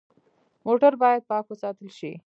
موټر باید پاک وساتل شي.